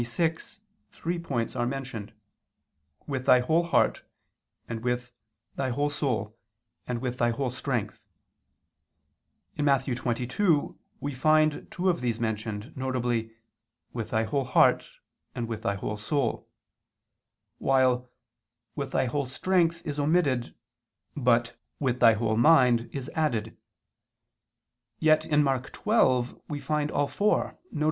6 three points are mentioned: "with thy whole heart," and "with thy whole soul," and "with thy whole strength." In Matt. 22 we find two of these mentioned, viz. "with thy whole heart" and "with thy whole soul," while "with thy whole strength" is omitted, but "with thy whole mind" is added. Yet in Mark 12 we find all four, viz.